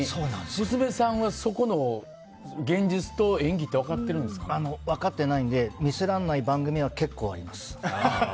娘さんはそこの現実と演技って分かってないので見せられない番組は結構あります。